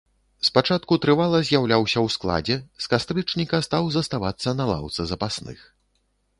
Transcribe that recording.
Спачатку трывала з'яўляўся ў складзе, з кастрычніка стаў заставацца на лаўцы запасных.